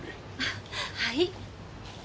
あっはい。